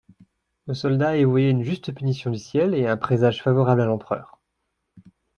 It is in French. Nos soldats y voyaient une juste punition du ciel, et un présage favorable à l'empereur.